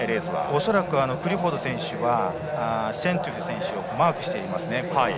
恐らくクリフォード選手はシェントゥフ選手をマークしていますね。